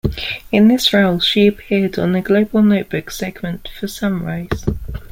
In this role she appeared on the Global Notebook segment for "Sunrise".